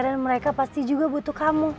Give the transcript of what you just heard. mereka pasti juga butuh kamu